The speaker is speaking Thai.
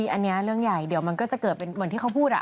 อันนี้เรื่องใหญ่เดียวอย่างที่เค้าพูดอ่ะ